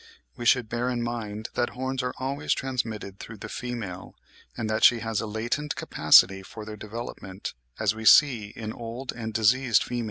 We should bear in mind that horns are always transmitted through the female, and that she has a latent capacity for their development, as we see in old or diseased females.